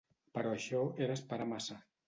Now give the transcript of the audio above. Però això era esperar massa.